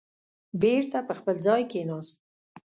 بېرته په خپل ځای کېناست.